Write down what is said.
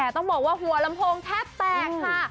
ต้องบอกว่าหัวลำโพงแทบแตกค่ะ